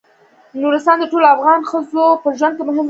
نورستان د ټولو افغان ښځو په ژوند کې مهم رول لري.